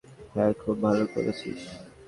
হ্যাঁ, খুব ভালো করেছিস।